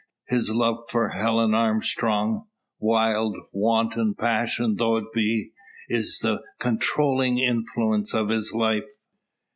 His love for Helen Armstrong wild, wanton passion though it be is the controlling influence of his life.